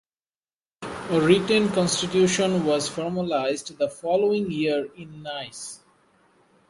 A written constitution was formalised the following year in Nice.